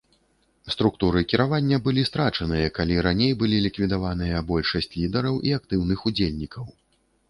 Структуры кіравання былі страчаныя, калі раней былі ліквідаваныя большасць лідараў і актыўных удзельнікаў.